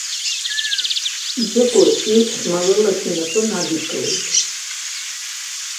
Ӡыкәыр иԥшәма лылахь инапы надикылеит.